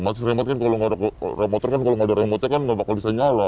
matic remote kan kalau gak ada motor kan kalau gak ada remote nya kan bakal bisa nyala